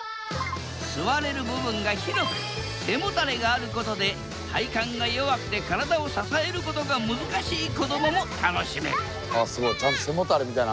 座れる部分が広く背もたれがあることで体幹が弱くて体を支えることが難しい子どもも楽しめる。